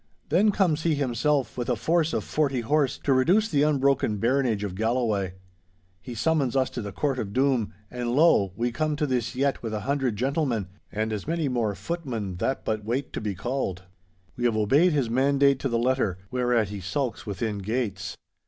'Then comes he himself, with a force of forty horse, to reduce the unbroken baronage of Galloway. He summons us to the court of doom, and lo! we come to this yett with a hundred gentlemen, and as many more footmen that but wait to be called. We have obeyed his mandate to the letter, whereat he sulks within gates.